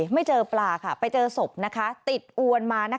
ไม่เจอปลาค่ะไปเจอศพติดอวนมา